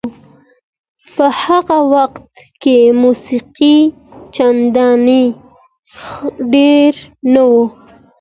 په هغه وخت کې موسیقي چندانې ډېره نه وه.